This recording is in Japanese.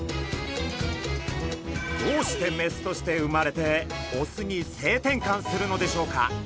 どうしてメスとして生まれてオスに性転換するのでしょうか？